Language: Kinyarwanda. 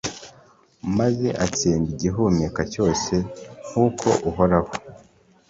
maze atsemba igihumeka cyose, nk'uko uhoraho